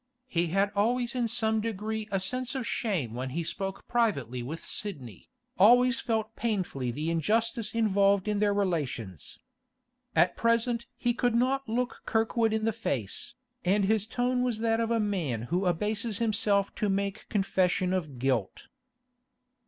He had always in some degree a sense of shame when he spoke privately with Sidney, always felt painfully the injustice involved in their relations. At present he could not look Kirkwood in the face, and his tone was that of a man who abases himself to make confession of guilt.